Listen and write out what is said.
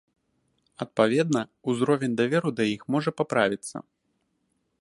Адпаведна, узровень даверу да іх можа паправіцца.